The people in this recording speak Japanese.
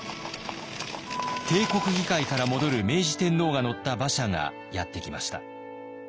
帝国議会から戻る明治天皇が乗った馬車がやって来ました。